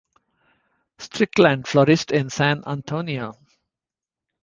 Strickland flourished in San Antonio.